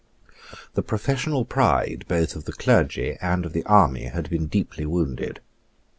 The professional pride both of the clergy and of the army had been deeply wounded.